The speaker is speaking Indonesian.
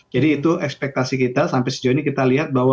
jadi itu ekspektasi kita sampai sejauh ini kita lihat bahwa